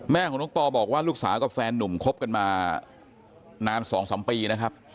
แม่ของน้องปอบอกว่าลูกสาวกับแฟนนุ่มคบกันมานาน๒๓ปีนะครับ